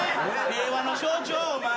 平和の象徴お前。